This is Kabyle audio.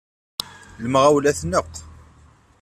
Lemɣawla tneqq.